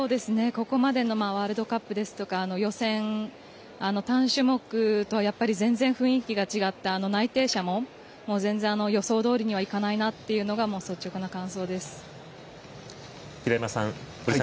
ここまでのワールドカップですとか予選、単種目とはやっぱり全然、雰囲気が違って内定者も全然予想どおりにはいかないというのが率直な感想です。